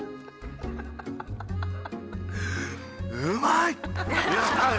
うまいッ！